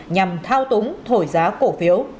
nhằm thao túng thổi xếp